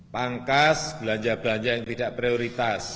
pangkas belanja belanja yang tidak prioritas